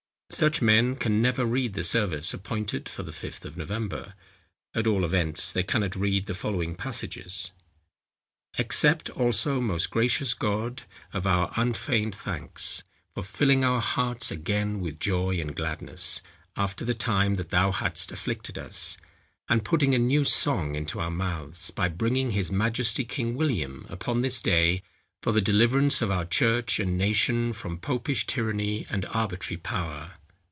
Such men can never read the Service appointed for the Fifth of November; at all events, they cannot read the following passages:—"Accept also, most gracious God, of our unfeigned thanks, for filling our hearts again with joy and gladness, after the time that thou hadst afflicted us, and putting a new song into our mouths, by bringing his majesty King William, upon this day, for the deliverance of our church and nation from popish tyranny and arbitrary power."